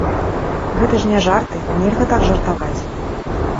Гэта ж не жарты, нельга так жартаваць.